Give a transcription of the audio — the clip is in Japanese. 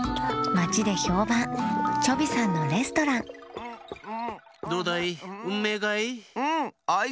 まちでひょうばんチョビさんのレストランどうだい？